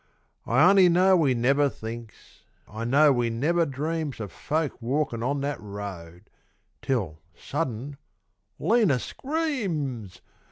I only know we never thinks I know we never dreams Of folk walkin' on that road; Till, sudden, Lena screams....